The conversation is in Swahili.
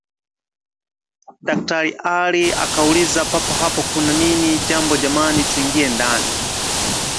Daktari Ali akauliza papo hapo Kuna nini Njoo jamani tuingie ndani